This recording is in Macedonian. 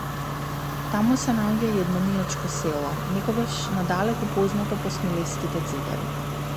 Таму се наоѓа и едно мијачко село, некогаш надалеку познато по смилевските ѕидари.